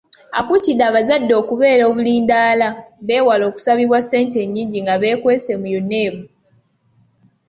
Akuutidde abazadde okubeera obulindaala beewale okusabibwa ssente ennyingi nga beekwese mu UNEB